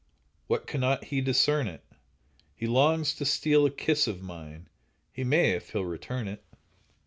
Why cannot he discern it? He longs to steal a kiss of mine, He may, if he'll return it.